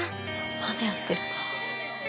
まだやってるか。